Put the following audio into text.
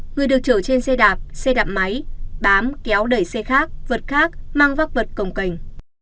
người được chở trên xe đạp xe đạp máy bám kéo đẩy xe khác vật khác mang vác vật cổng cảnh